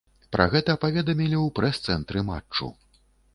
Пра гэта паведамілі ў прэс-цэнтры матчу.